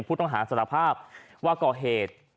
ผู้ต้องหาสารภาพว่าก่อเหตุ